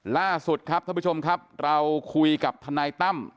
ล่าสุดครับท่านผู้ชมครับเราคุยกับทนายตั้ม